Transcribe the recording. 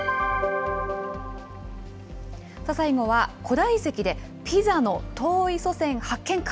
さあ、最後は古代遺跡で、ピザの遠い祖先発見か？